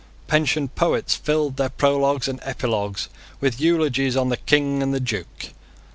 Pensioned poets filled their prologues and epilogues with eulogies on the King and the Duke.